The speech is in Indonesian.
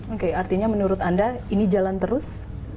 oke artinya menurut anda ini jalan terus